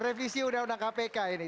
revisi undang undang kpk ini